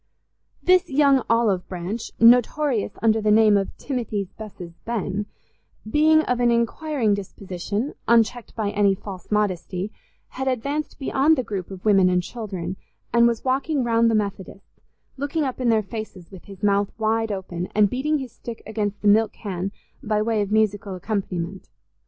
This young olive branch, notorious under the name of Timothy's Bess's Ben, being of an inquiring disposition, unchecked by any false modesty, had advanced beyond the group of women and children, and was walking round the Methodists, looking up in their faces with his mouth wide open, and beating his stick against the milk can by way of musical accompaniment.